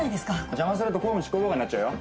邪魔すると公務執行妨害になっちゃうよ。